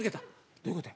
「どういうことや？